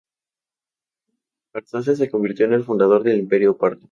Arsaces se convirtió en el fundador del Imperio parto.